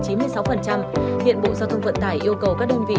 hiện bộ giao thông vận tải yêu cầu các đơn vị